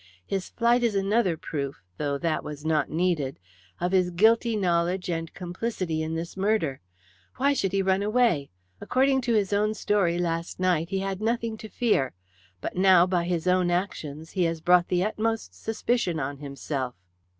His flight is another proof though that was not needed of his guilty knowledge and complicity in this murder. Why should he run away? According to his own story last night he had nothing to fear. But now, by his own actions, he has brought the utmost suspicion on himself."